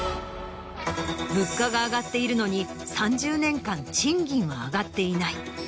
物価が上がっているのに３０年間賃金は上がっていない。